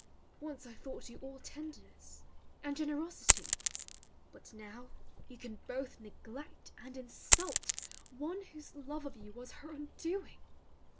Once I thought you all tenderness, and generosity, but now you can both neglect and insult one whose love of you was her undoing.